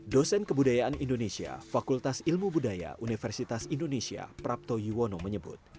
dosen kebudayaan indonesia fakultas ilmu budaya universitas indonesia prapto yuwono menyebut